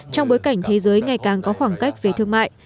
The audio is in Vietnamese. trong bối cảnh thế giới ngày càng có khoảng cách về thương mại